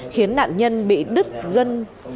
khiến nạn nhân bị đứt gân